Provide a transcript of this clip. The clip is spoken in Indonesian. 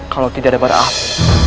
kalau tidak ada bara api